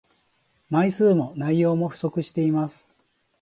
枚数も内容も不足しています